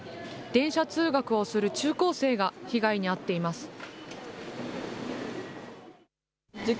電車通学をする中高生が被害に遭っています。